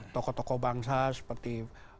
tokoh tokoh bangsa seperti